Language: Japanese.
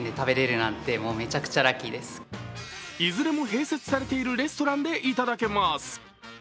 いずれも併設されているレストランでいただけます。